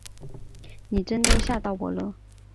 你真的吓到我了